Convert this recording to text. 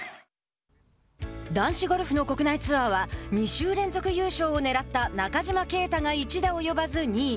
男子ゴルフの国内ツアーは２週連続優勝をねらった中島啓太が１打及ばず２位。